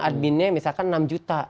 adminnya misalkan enam juta